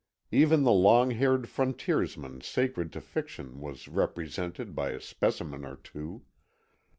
Even the long haired frontiersman sacred to fiction was represented by a specimen or two.